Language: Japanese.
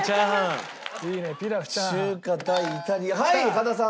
羽田さん。